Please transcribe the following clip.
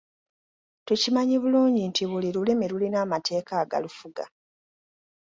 Tukimanyi bulungi nti buli lulimi lulina amateeka agalufuga.